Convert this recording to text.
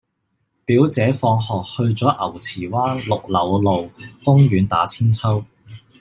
表姐放學去左牛池灣綠柳路公園打韆鞦